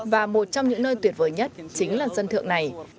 và một trong những nơi tuyệt vời nhất chính là dân thượng này